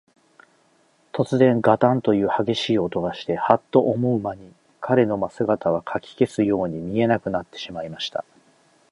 とつぜん、ガタンというはげしい音がして、ハッと思うまに、彼の姿は、かき消すように見えなくなってしまいました。